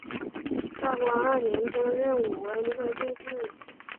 道光二年中壬午恩科进士。